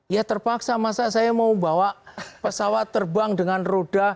ya terpaksa masa saya mau bawa pesawat terbang dengan roda